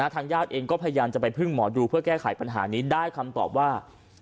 ทางญาติเองก็พยายามจะไปพึ่งหมอดูเพื่อแก้ไขปัญหานี้ได้คำตอบว่า